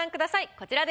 こちらです。